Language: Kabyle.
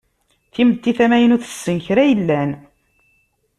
Timetti tamaynut tessen kra yellan.